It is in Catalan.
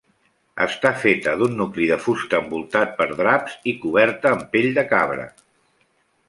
Està feta d'un nucli de fusta envoltat per draps i coberta amb pell de cabra.